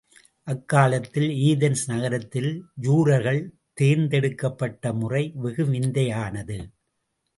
அக்காலத்தில் ஏதென்ஸ் நகரத்தில் ஜூரர்கள் தேர்ந்தெடுக்கப்பட்ட முறை வெகு விந்தையானது.